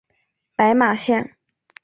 白马线